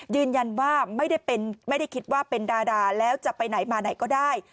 ยืนยันว่าไม่ได้คิดว่าเป็นดาราแล้วจะไปไหนมาไหนก็ได้